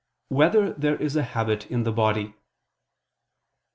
1] Whether There Is a Habit in the Body?